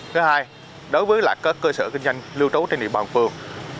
thứ hai đối với các cơ sở kinh doanh lưu trú trên địa bàn phường